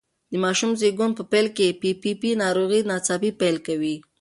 د ماشوم زېږون په پیل کې پي پي پي ناروغي ناڅاپي پیل کوي.